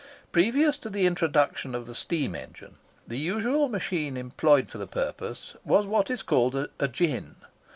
Previous to the introduction of the steam engine the usual machine employed for the purpose was what is called a "gin."